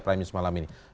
prime news malam ini